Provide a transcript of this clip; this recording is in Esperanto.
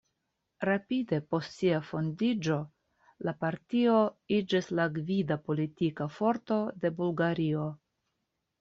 Rapide post sia fondiĝo la partio iĝis la gvida politika forto de Bulgario.